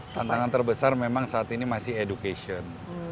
tantangan terbesar memang saat ini masih education